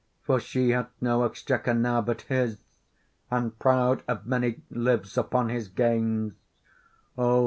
For she hath no exchequer now but his, And proud of many, lives upon his gains. O!